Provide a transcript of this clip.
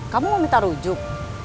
kamu mau minta rujuk